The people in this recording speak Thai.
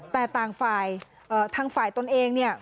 แต่ต่างฝ่ายทางฝ่ายตนเองเนี่ย